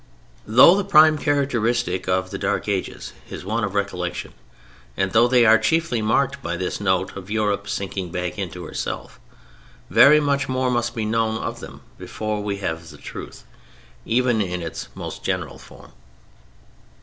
Though the prime characteristic of the Dark Ages is one of recollection, and though they are chiefly marked by this note of Europe sinking back into herself, very much more must be known of them before we have the truth, even in its most general form.